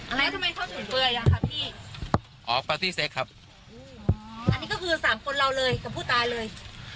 อันนี้ทำไมเขาถึงเผยอ่ะครับพี่อ๋อครับอันนี้ก็คือสามคนเราเลยกับผู้ตายเลย